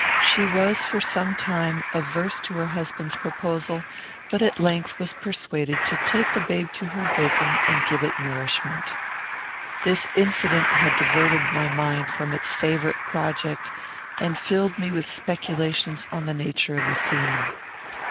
She was, for some time, averse to her husband's proposal, but at length was persuaded to take the babe to her bosom and give it nourishment. This incident had diverted my mind from its favourite project, and filled me with speculations on the nature of the scene.